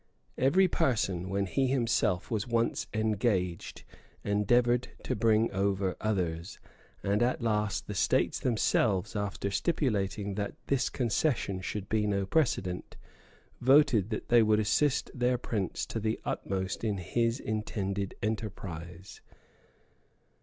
Every person, when he himself was once engaged, endeavored to bring over others; and at last the states themselves, after stipulating that this concession should be no precedent, voted that they would assist their prince to the utmost in his intended enterprise.